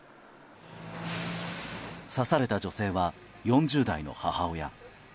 刺された女性は４０代の母親。